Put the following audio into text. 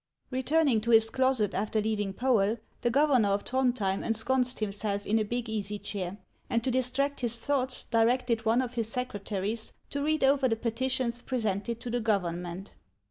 RETURNING to his closet after leaving Peel, the governor of Throudhjein ensconced himself in a big easy chair, and to distract his thoughts directed one of his secretaries to read over the petitions presented to the government.